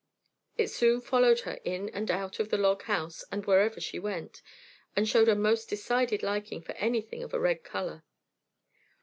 It soon followed her in and out of the log house and wherever she went, and showed a most decided liking for anything of a red color.